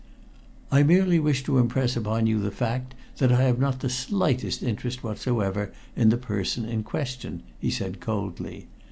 "I merely wish to impress upon you the fact that I have not the slightest interest whatsoever in the person in question," he said coldly.